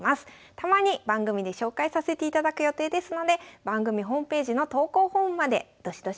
たまに番組で紹介させていただく予定ですので番組ホームページの投稿フォームまでどしどしお送りください。